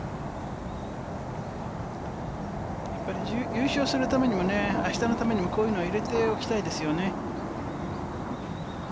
優勝するためにも、あしたのためにもこういうのを入れておきたいですよね。